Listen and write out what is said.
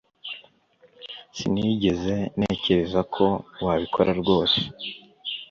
Sinigeze ntekereza ko wabikoze rwose